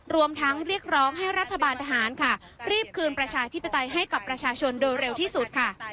รวมทั้งเรียกร้องให้รัฐบาลทหารค่ะรีบคืนประชาธิปไตยให้กับประชาชนโดยเร็วที่สุดค่ะ